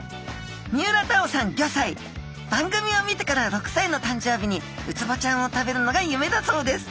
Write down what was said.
番組を見てから６歳の誕生日にウツボちゃんを食べるのが夢だそうです。